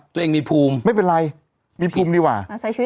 ตัวเองมีภูมิไม่เป็นไรมีภูมิดีกว่า